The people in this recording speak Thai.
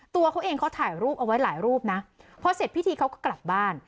ตัวเขาเองเขาถ่ายรูปเอาไว้หลายรูปนะพอเสร็จพิธีเขาก็กลับบ้าน